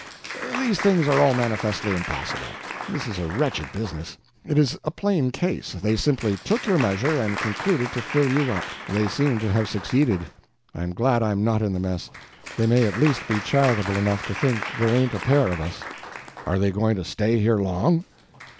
"These things are all manifestly impossible. This is a wretched business. It is a plain case: they simply took your measure, and concluded to fill you up. They seem to have succeeded. I am glad I am not in the mess; they may at least be charitable enough to think there ain't a pair of us. Are they going to stay here long?"